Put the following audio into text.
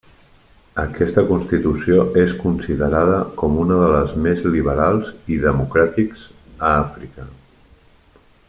Aquesta Constitució és considerada com una de les més liberals i democràtics a Àfrica.